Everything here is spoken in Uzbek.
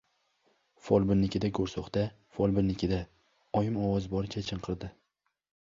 — Folbinnikida, go‘rso‘xta, folbinnikida! — Oyim ovozi boricha chinqirdi.